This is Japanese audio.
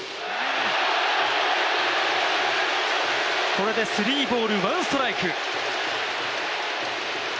これでスリーボールワンストライク。